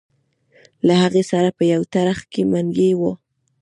له هغې سره به په یو ترخ کې منګی و.